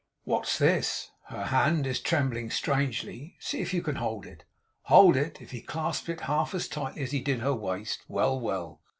What's this? Her hand is trembling strangely. See if you can hold it.' Hold it! If he clasped it half as tightly as he did her waist. Well, well!